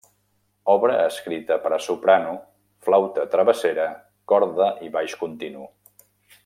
Obra escrita per a soprano, flauta travessera, corda i baix continu.